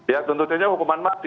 ya tuntutannya hukuman mati